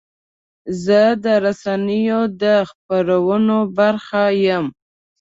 زه د رسنیو د خپرونو برخه یم.